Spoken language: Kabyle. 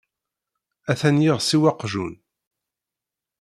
Atan yiɣes i waqjun.